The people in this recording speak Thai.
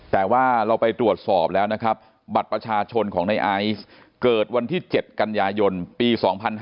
แต่ว่าเราไปตรวจสอบแล้วนะครับบัตรประชาชนของในไอซ์เกิดวันที่๗กันยายนปี๒๕๕๙